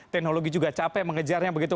teknologi juga capek mengejarnya begitu